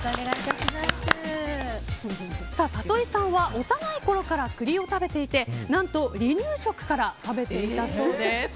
里井さんは幼いころから栗を食べていて何と、離乳食から食べていたそうです。